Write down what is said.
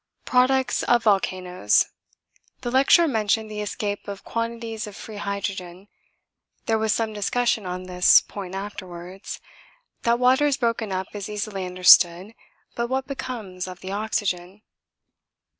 Products of volcanoes. The lecturer mentioned the escape of quantities of free hydrogen there was some discussion on this point afterwards; that water is broken up is easily understood, but what becomes of the oxygen?